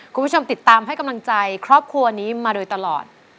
คุณผู้ชมติดตามให้กำลังใจครอบครัวนี้มาโดยตลอด